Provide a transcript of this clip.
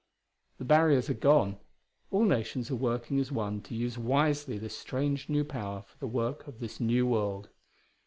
The barriers are gone; all nations are working as one to use wisely this strange new power for the work of this new world.